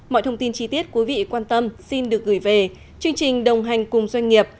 mọi thông tin chi tiết quý vị quan tâm xin được gửi về chương trình đồng hành cùng doanh nghiệp